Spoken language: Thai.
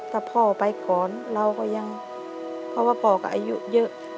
ถ้าพ่อไปก่อนเราก็ยังเพราะว่าพ่อก็อายุเยอะ